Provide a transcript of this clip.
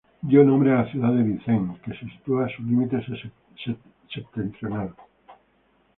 Dio nombre a la ciudad de Vincennes, que se sitúa a su límite septentrional.